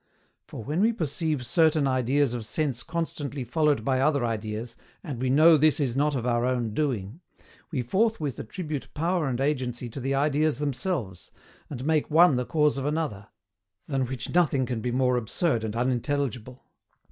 For, when we perceive certain ideas of Sense constantly followed by other ideas and WE KNOW THIS IS NOT OF OUR OWN DOING, we forthwith attribute power and agency to the ideas themselves, and make one the cause of another, than which nothing can be more absurd and unintelligible.